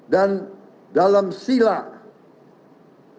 dan mereka telah merumuskan pancasila sebagai dasar negara